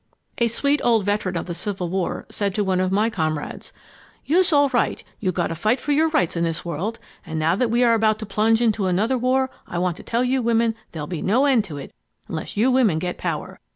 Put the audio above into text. A sweet old veteran of the Civil War said to one of my comrades: "Yous all right; you gotta fight for your rights in this world, and now that we are about to plunge into another war, I want to tell you women there'll be no end to it unless you women get power.